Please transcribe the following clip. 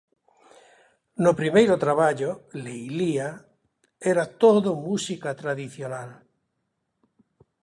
No primeiro traballo, 'Leilía', era todo música tradicional.